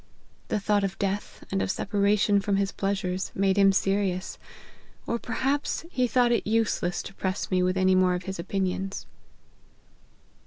5 The thought of death, and of separation from his pleasures, made him serious ; or perhaps he thought it useless to press me with any more of his opinions."